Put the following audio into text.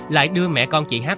lại đưa mẹ con chị h